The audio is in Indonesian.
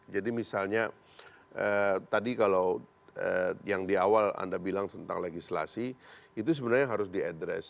jadi misalnya tadi kalau yang di awal anda bilang tentang legislasi itu sebenarnya harus di address